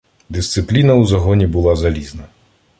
Дисципліна у загоні була залізна.